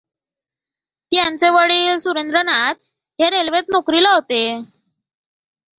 त्यांचे वडील सुरेंद्रनाथ हे रेल्वेत नोकरीला होते.